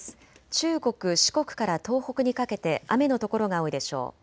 中国、四国から東北にかけて雨の所が多いでしょう。